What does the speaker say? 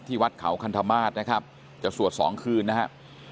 ที่วัดเขาคันธมาศนะครับจะสวดสองคืนนะฮะ